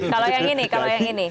kalau yang ini kalau yang ini